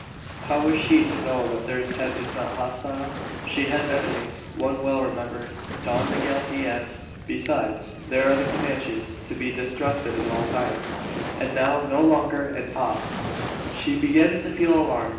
How is she to know that their intent is not hostile? She has enemies one well remembered Don Miguel Diaz. Besides, there are the Comanches to be distrusted at all times, and now no longer en paz. She begins to feel alarm.